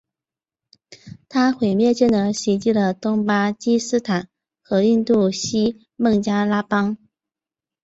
它毁灭性地袭击了东巴基斯坦和印度西孟加拉邦。